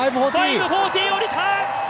５４０、降りた！